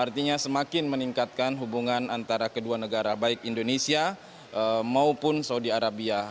artinya semakin meningkatkan hubungan antara kedua negara baik indonesia maupun saudi arabia